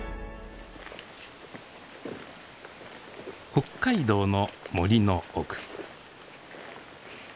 北海道の森の奥。